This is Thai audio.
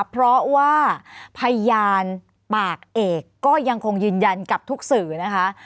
เพราะว่าพยานปากเอกก็ยังคงยืนยันกับทุกสื่อนะคะ